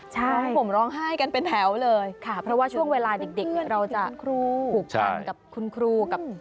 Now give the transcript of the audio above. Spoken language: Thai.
ใช่ค่ะเพราะว่าช่วงเวลาเด็กเราจะคุกกันกับคุณครู